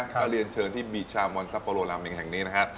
ก็เรียนเชิญที่มีชาวมอนซัปโปโลราเมงแห่งนี้นะฮะ